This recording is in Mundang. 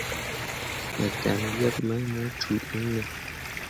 Me dan yeb mai mu cume iŋ be.